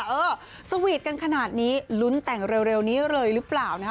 เออสวีทกันขนาดนี้ลุ้นแต่งเร็วนี้เลยหรือเปล่านะฮะ